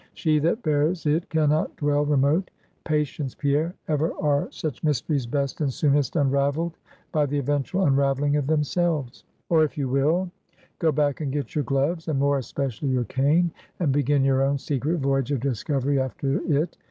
She that bears it can not dwell remote. Patience, Pierre. Ever are such mysteries best and soonest unraveled by the eventual unraveling of themselves. Or, if you will, go back and get your gloves, and more especially your cane, and begin your own secret voyage of discovery after it.